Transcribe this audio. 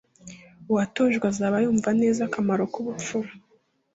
uwatojwe azaba yumva neza akamaro k'ubupfura